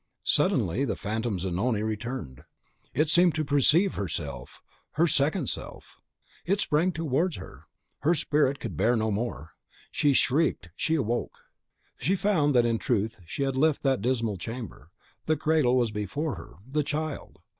Suddenly the phantom Zanoni turned, it seemed to perceive herself, her second self. It sprang towards her; her spirit could bear no more. She shrieked, she woke. She found that in truth she had left that dismal chamber; the cradle was before her, the child!